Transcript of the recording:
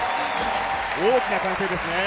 大きな歓声ですね。